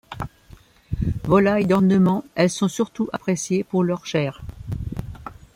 Volailles d’ornement, elles sont surtout appréciées pour leur chair.